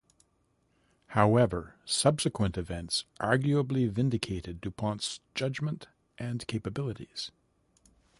However, subsequent events arguably vindicated Du Pont's judgment and capabilities.